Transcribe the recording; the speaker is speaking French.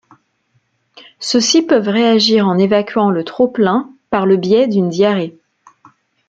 Ceux-ci peuvent réagir en évacuant le trop plein par le biais d'une diarrhée.